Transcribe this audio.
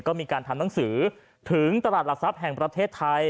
ก็มีการทำหนังสือถึงตลาดหลักทรัพย์แห่งประเทศไทย